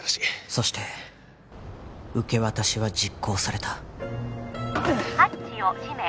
そして受け渡しは実行されたハッチを閉め